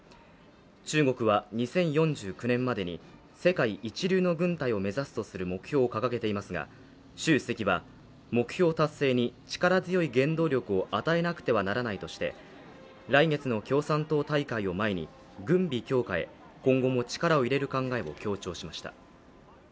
中国は２０４９年までに世界一流の軍隊を目指すとする目標を掲げていますが、習主席は目標達成に力強い原動力を与えなくてはならないとして来月の共産党大会を前に軍備強化へ今後も力を入れる考えを強調しました。